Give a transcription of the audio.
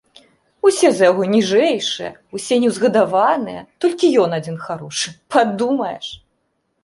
— Усе за яго ніжэйшыя, усе неўзгадаваныя, толькі ён адзін харошы, падумаеш!